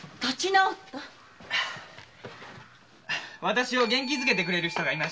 私を元気づけてくれる人がいて。